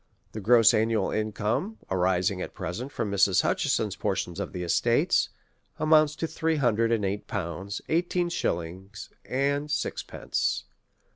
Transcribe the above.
The gross annual income arising at present from Mrs. Hutcheson's portion of the estates, amounts to three hundred and eight pounds, eighteen shillings^ and sixpence.